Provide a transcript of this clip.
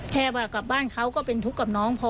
แค่ว่ากลับบ้านเขาก็เป็นทุกข์กับน้องพอ